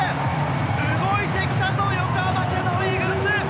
動いてきたぞ、横浜キヤノンイーグルス！